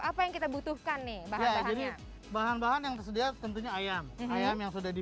apa yang kita butuhkan nih bahan bahannya bahan bahan yang tersedia tentunya ayam ayam yang sudah di